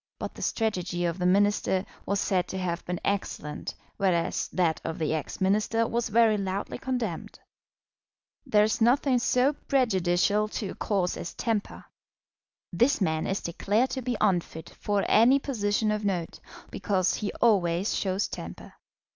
But the strategy of the Minister was said to have been excellent, whereas that of the ex Minister was very loudly condemned. There is nothing so prejudicial to a cause as temper. This man is declared to be unfit for any position of note, because he always shows temper.